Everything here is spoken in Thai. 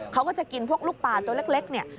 เขาก็จะกินพวกลูกปลาตัวเล็กเนี่ย